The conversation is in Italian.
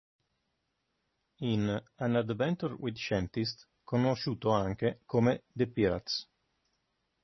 In an Adventure with Scientists", conosciuto anche come "The Pirates!